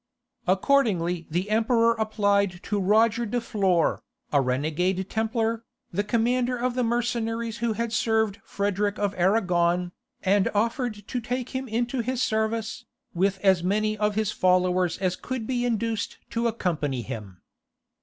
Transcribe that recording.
Accordingly the emperor applied to Roger de Flor, a renegade Templar, the commander of the mercenaries who had served Frederic of Aragon, and offered to take him into his service, with as many of his followers as could be induced to accompany him.